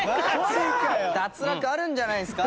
脱落あるんじゃないですか？